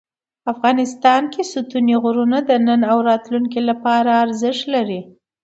افغانستان کې ستوني غرونه د نن او راتلونکي لپاره ارزښت لري.